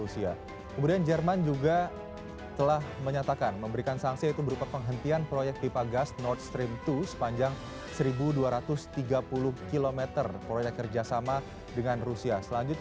selanjutnya kita lihat